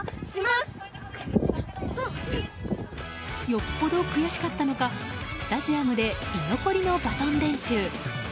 よっぽど悔しかったのかスタジアムで居残りのバトン練習。